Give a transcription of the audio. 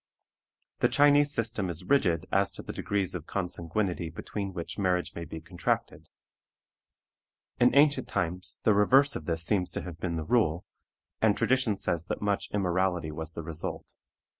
The Chinese system is rigid as to the degrees of consanguinity between which marriage may be contracted. In ancient times the reverse of this seems to have been the rule, and tradition says that much immorality was the result.